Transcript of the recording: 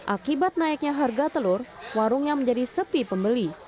akibat naiknya harga telur warungnya menjadi sepi pembeli